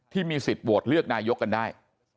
ที่มีสิทธิ์โหวตเลือกนายกกันได้